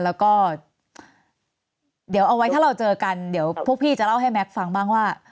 แล้วก็เดี๋ยวเอาไว้ถ้าเราเจอกันเดี๋ยวพวกพี่จะเล่าให้แก๊กฟังบ้างว่า